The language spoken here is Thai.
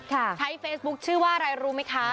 ใช้เฟซบุ๊คชื่อว่าอะไรรู้ไหมคะ